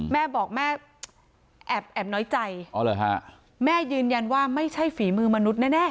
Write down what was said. แม่บอกแม่แอบน้อยใจแม่ยืนยันว่าไม่ใช่ฝีมือมนุษย์แน่